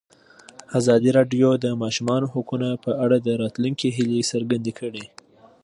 ازادي راډیو د د ماشومانو حقونه په اړه د راتلونکي هیلې څرګندې کړې.